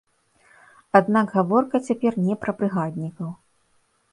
Аднак, гаворка цяпер не пра брыгаднікаў.